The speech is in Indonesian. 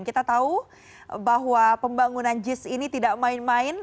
kita tahu bahwa pembangunan jis ini tidak main main